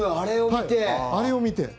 はい、あれを見て。